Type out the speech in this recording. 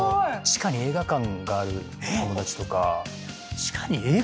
地下に映画館がある友達？